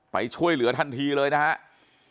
ไปช่วยเหลือทันทีเลยนะครับ